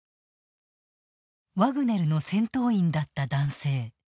ワグネルの戦闘員だった男性。